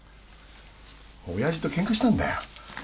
親父とケンカしたんだよ